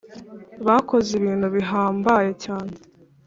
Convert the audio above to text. Bakoze ibintu bihambaye cyane